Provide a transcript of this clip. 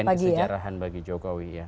karena ini juga ujian kesejarahan bagi jokowi ya